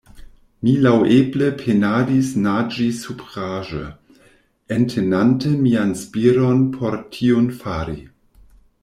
Mi laŭeble penadis naĝi supraĵe, entenante mian spiron, por tiun fari.